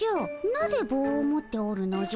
なぜぼうを持っておるのじゃ？